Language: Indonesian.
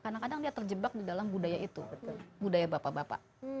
kadang kadang dia terjebak di dalam budaya itu budaya bapak bapak